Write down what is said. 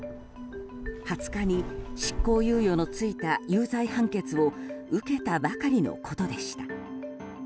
２０日に執行猶予の付いた有罪判決を受けたばかりのことでした。